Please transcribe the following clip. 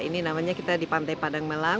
ini namanya kita di pantai padang melang